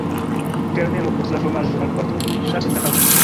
Kelnero, post la fromaĝo alportu du tasojn da kafo.